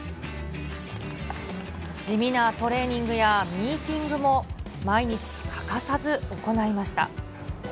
地味なトレーニングやミーティングも、毎日欠かさず行いました。